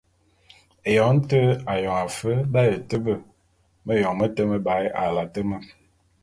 Éyoň té ayong afe d’aye tebe méyoñ mete mebae a late me.